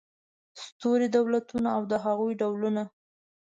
ستوري دولتونه او د هغوی ډولونه